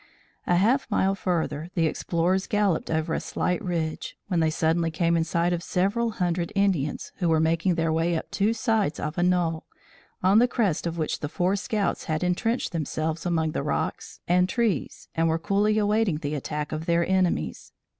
A half mile further, the explorers galloped over a slight ridge, when they suddenly came in sight of several hundred Indians, who were making their way up two sides of a knoll, on the crest of which the four scouts had entrenched themselves among the rocks and trees and were coolly awaiting the attack of their enemies.